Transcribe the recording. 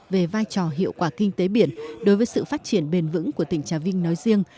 về vai trò hiệu quả kinh tế biển đối với sự phát triển bền vững của tỉnh trà vinh nói riêng